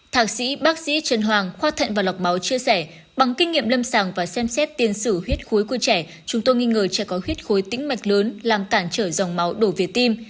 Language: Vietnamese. thạc sĩ bác sĩ trần hoàng khoa thận và lọc máu chia sẻ bằng kinh nghiệm lâm sàng và xem xét tiên sử huyết khối của trẻ chúng tôi nghi ngờ trẻ có huyết khối tĩnh mạch lớn làm cản trở dòng máu đổ về tim